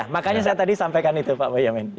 makanya saya tadi sampaikan itu pak boyamin